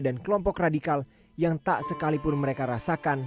dan kelompok radikal yang tak sekalipun mereka rasakan